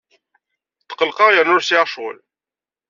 Tqellqeɣ yerna ur sɛiɣ ccɣel.